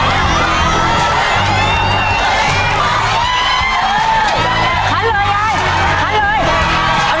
รับทราบ